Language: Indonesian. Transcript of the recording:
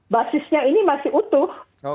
basisnya ini masih utuh